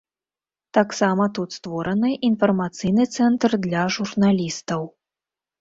Таксама тут створаны інфармацыйны цэнтр для журналістаў.